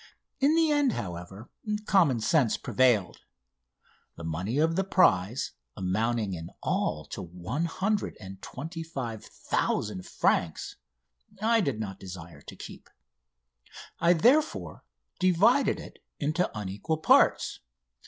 In the end, however, common sense prevailed. The money of the prize, amounting in all to 125,000 francs, I did not desire to keep. I, therefore, divided it into unequal parts.